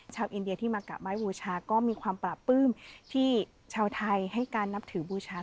ชาวอินเดียที่มากะไม้บูชาก็มีความปราบปลื้มที่ชาวไทยให้การนับถือบูชา